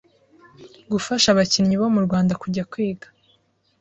gufasha abakinnyi bo mu Rwanda kujya kwiga.